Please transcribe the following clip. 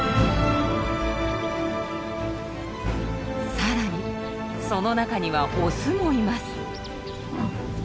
さらにその中にはオスもいます。